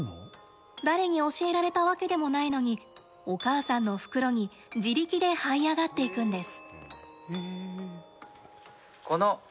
誰に教えられたわけでもないのにお母さんの袋に自力で、はい上がっていくんです。